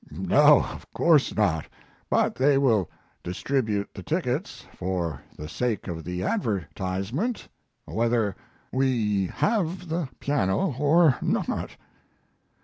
"No, of course not; but they will distribute the tickets for the sake of the advertisement, whether we have the piano or not."